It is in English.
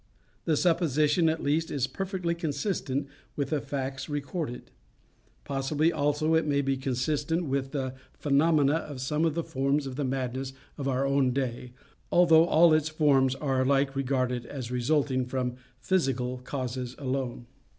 The supposition at least is perfectly consistent with the facts recorded. Possibly also it may be consistent with the phenomena of some of the forms of the madness of our own day, although all its forms are alike regarded as resulting from physical causes alone.